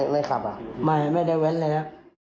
ไม่ได้เว้นเลยนะ